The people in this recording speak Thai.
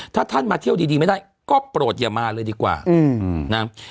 ถ้าท่านมาเที่ยวดีไม่ได้ก็โปรดอย่ามาเลยดีกว่านะ